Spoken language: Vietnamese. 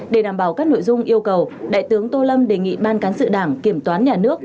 để đảm bảo các nội dung yêu cầu đại tướng tô lâm đề nghị ban cán sự đảng kiểm toán nhà nước